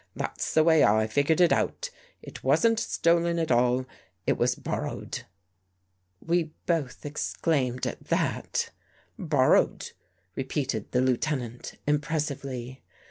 " That's the way I figured it out. It wasn't stolen at all. It was borrowed." We both exclaimed at that. " Borrowed," repeated the Lieutenant, impres sively.